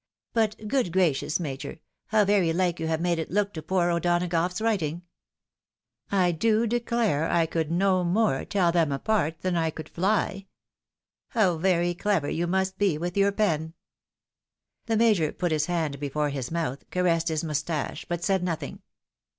" But good gracious. Major, how very Uke you have made it look to poor O'Donagough's writing 1 I <Jo declare I could no more tell them apart than I could fly ! How very clever you must be with your pen !" The Major put his hand before his mouth, caressed his mustache, but said nothing.